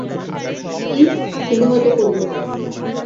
কী, তুমি হয়তো করবে?